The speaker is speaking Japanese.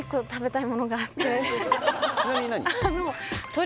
ちなみに何？